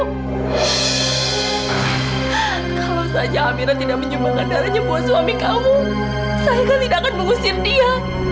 kalau saja amira tidak menyembahkan darahnya buat suami kamu saya kan tidak akan mengusir dia